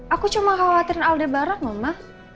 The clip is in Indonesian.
aku cuma khawatirin alde bareng ma